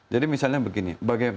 jadi misalnya begini